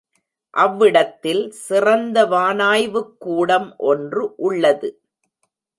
அவ்விடத்தில் சிறந்த வானாய்வுக் கூடம் ஒன்று உள்ளது.